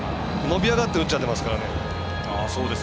伸び上がって打っちゃってますからね。